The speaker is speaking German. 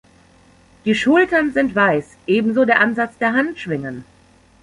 Die Schultern sind weiß, ebenso der Ansatz der Handschwingen.